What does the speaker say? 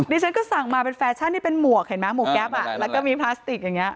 ฉันก็สั่งมาเป็นแฟชั่นที่เป็นหมวกเห็นไหมหมวกแก๊ปแล้วก็มีพลาสติกอย่างนี้